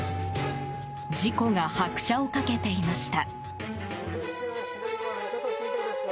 事故が拍車を掛けていました。